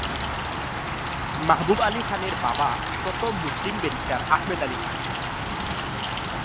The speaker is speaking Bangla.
মাহবুব আলী খানের বাবা প্রথম মুসলিম ব্যারিস্টার আহমেদ আলী খান।